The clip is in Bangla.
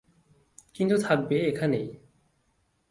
কিন্তু থাকবে এখানেই।